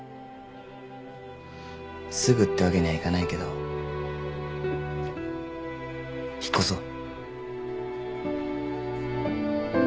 すぐってわけにはいかないけど引っ越そう。